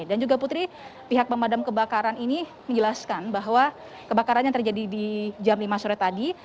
dan juga putri pihak pemadam kebakaran ini menjelaskan bahwa kebakaran yang terjadi di jam lima sore tadi